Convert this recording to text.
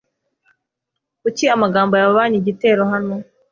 Kuki amagambo yababanye igitero hano?